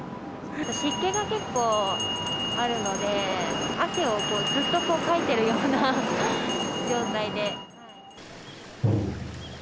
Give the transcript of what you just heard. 湿気が結構あるので、汗をずっとかいてるような状態で。